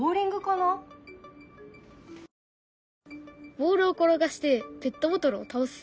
ボールを転がしてペットボトルを倒す。